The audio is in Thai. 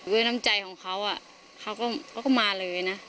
น้ำใจของเขาเขาก็มาเลยนะ